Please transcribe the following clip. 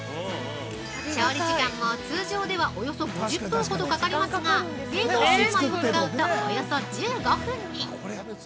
調理時間も通常ではおよそ５０分ほどかかりますが冷凍焼売を使うとおよそ１５分で。